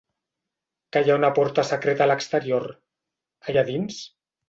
Que hi ha una porta secreta a l'exterior, allà dins?